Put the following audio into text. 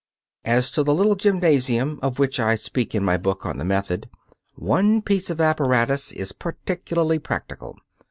As to the little gymnasium, of which I speak in my book on the "Method," one piece of apparatus is particularly practical.